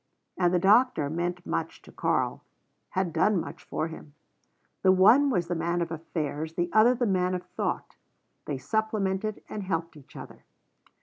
And the doctor meant much to Karl; had done much for him. The one was the man of affairs; the other the man of thought; they supplemented and helped each other.